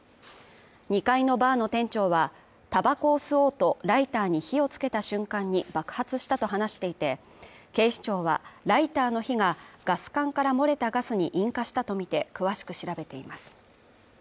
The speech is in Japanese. ２階のバーの店長はたばこを吸おうとライターに火をつけた瞬間に爆発したと話していて、警視庁は、ライターの火がガス管から漏れたガスに引火したとみて詳しく調べています。